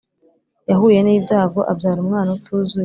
yahuye nibyago abyara umwana utuzuye